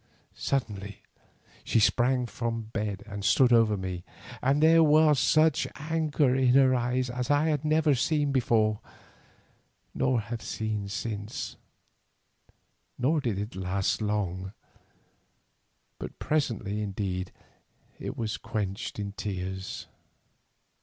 Suddenly she sprang from the bed and stood over me, and there was such anger in her eyes as I had never seen before nor have seen since, nor did it last long then, for presently indeed it was quenched in tears.